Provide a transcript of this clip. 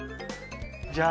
じゃあ